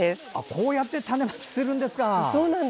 こうやって種まきするんですか。